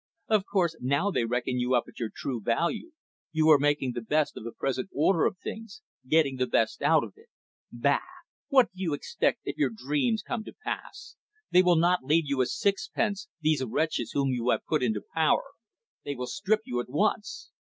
"Of course, now they reckon you up at your true value. You are making the best of the present order of things, getting the best you can out of it. Bah! What do you expect if your dreams come to pass? They will not leave you a sixpence, these wretches whom you have put into power. They will strip you at once."